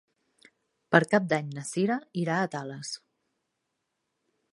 Per Cap d'Any na Cira irà a Tales.